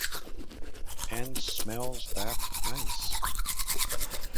And smells that nice!